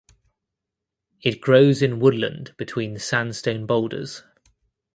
It grows in woodland between sandstone boulders.